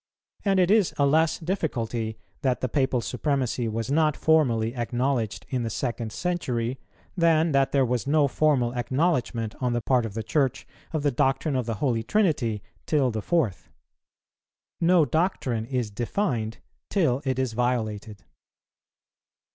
And it is a less difficulty that the Papal supremacy was not formally acknowledged in the second century, than that there was no formal acknowledgment on the part of the Church of the doctrine of the Holy Trinity till the fourth. No doctrine is defined till it is violated.